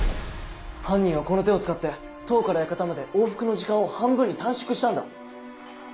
犯人はこの手を使って塔から館まで往復の時間を半分に短縮したんだ。